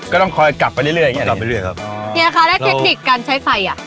ก็ต้องคอยกลับไปเรื่อยอย่างเงี้นอนไปเรื่อยครับเนี่ยค่ะแล้วเทคนิคการใช้ไฟอ่ะ